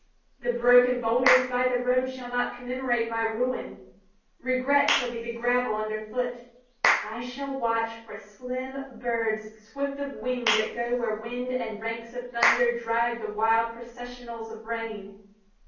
The broken boulders by the roadShall not commemorate my ruin. Regret shall be the gravel under foot.I shall watch forSlim birds swift of wingThat go where wind and ranks of thunderDrive the wild processionals of rain.